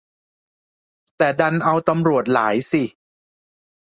แต่ดันเอาตำรวจหลายสิ